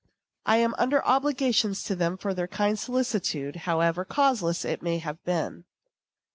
I am under obligations to them for their kind solicitude, however causeless it may have been.